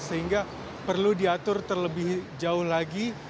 sehingga perlu diatur terlebih jauh lagi